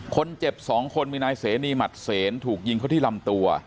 คนเจ็บ๒คนมีนายเสนีหมัดเสนถูกยิงเขาที่ลำตัว